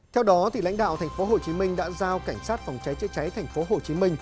theo đó lãnh đạo tp hcm đã giao cảnh sát phòng cháy chữa cháy tp hcm